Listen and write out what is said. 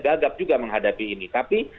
gagap juga menghadapi ini tapi